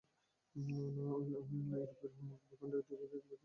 ইউরোপের মূল ভূখণ্ড থেকে এই দ্বীপপুঞ্জকে পৃথক করে রেখেছে উত্তর সাগর ও ইংলিশ চ্যানেল।